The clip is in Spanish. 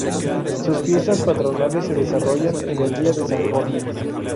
Sus fiestas patronales se desarrollan el día de San Jorge.